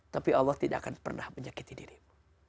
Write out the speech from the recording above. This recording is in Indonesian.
tapi allah tidak akan pernah menyakiti dirimu